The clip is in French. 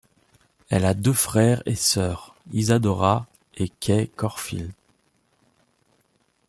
Elle a deux frères et sœurs : Isadora et Kai Corfield.